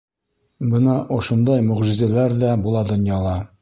Бына ошондай мөғжизәләр ҙә була донъяла.